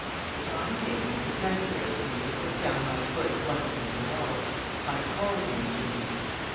The time came when it was necessary for me to put down my foot once and for all. I called him to me.